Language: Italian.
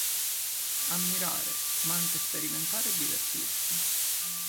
Ammirare, ma anche sperimentare e divertirsi.